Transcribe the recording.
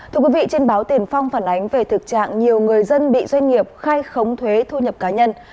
thưa quý vị trên báo tiền phong phản ánh về thực trạng nhiều người dân bị doanh nghiệp khai khống thuế thu nhập cá nhân